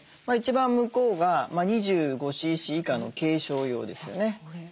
一番向こうが２５ｃｃ以下の軽症用ですね。